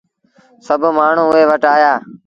سڀ مآڻهوٚ اُئي وٽ آيآ۔